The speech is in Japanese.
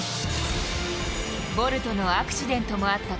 ボルトのアクシデントもあった